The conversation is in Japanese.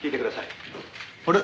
あれ？